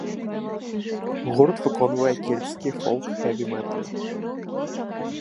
Гурт выконвае кельцкі фолк-хэві-метал.